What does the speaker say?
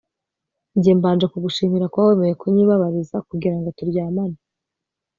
Njye mbanje kugushimira kuba wameye kunyibabariza kugirango turyamane